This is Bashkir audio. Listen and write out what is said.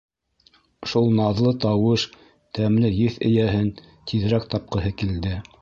Шул наҙлы тауыш, тәмле еҫ эйәһен тиҙерәк тапҡыһы килде.